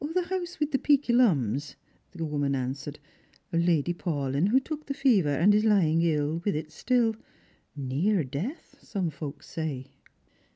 " The house with the peaky lums," the woman answered. *' Lady Paulyn, who took the fever, and is lying ill with it still ; near death, some folks say."